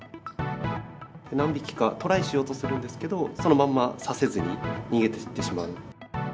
何匹かトライしようとするんですけど、そのまま刺せずに逃げていってしまう。